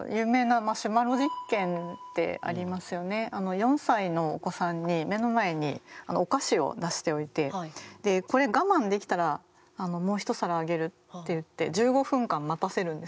４歳のお子さんに目の前にお菓子を出しておいてでこれ我慢できたらもう一皿あげるって言って１５分間待たせるんです。